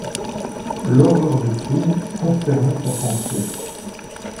L'horreur du crime consternait sa pensée.